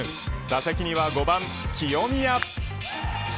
打席には５番、清宮。